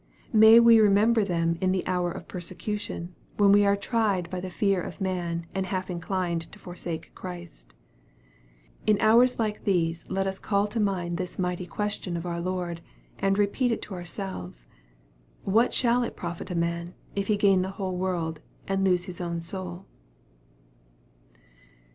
May we remember them in the hour of persecution, when we are tried by the fear of man, and half inclined to forsake Christ. In hours like these, let us call to mind this mighty question of our Lord, and repeat it to ourselves, " What shall it profit a man if he gain the whole world, and lose his own soul